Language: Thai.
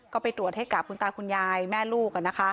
ก็ไปตรวจให้กับคุณตาคุณยายแม่ลูก